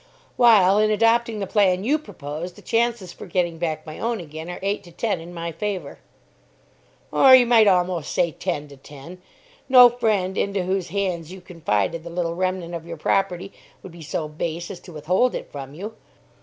"While, in adopting the plan you propose, the chances for getting back my own again are eight to ten in my favour." "Or, you might almost say, ten to ten. No friend into whose hands you confided the little remnant of your property would be so base as to withhold it from you."